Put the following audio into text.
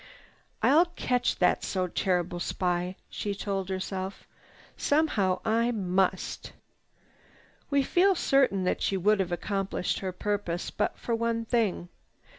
"I'll catch that so terrible spy," she told herself. "Somehow I must!" We feel certain that she would have accomplished her purpose, but for one thing.